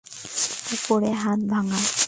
উপরের হাত ভাঙা।